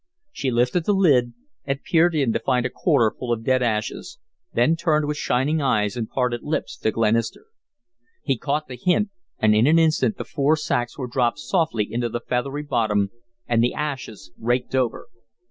She lifted the lid and peered in to find it a quarter full of dead ashes, then turned with shining eyes and parted lips to Glenister. He caught the hint, and in an instant the four sacks were dropped softly into the feathery bottom and the ashes raked over.